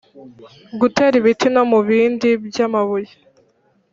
Gutera ibiti no mu bibindi by’ amabuye